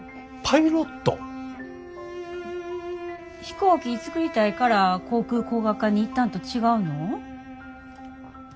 飛行機作りたいから航空工学科に行ったんと違うの？